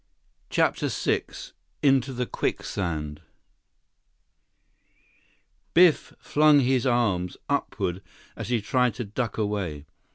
CHAPTER VI Into the Quicksand Biff flung his arms upward, as he tried to duck away.